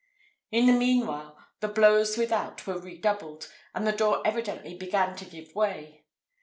In the meanwhile, the blows without were redoubled, and the door evidently began to give way.